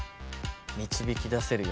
導き出せるよ。